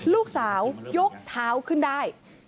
ลูกสาวยกเท้าขึ้นได้